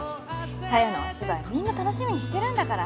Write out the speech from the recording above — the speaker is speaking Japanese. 沙代のお芝居みんな楽しみにしてるんだから。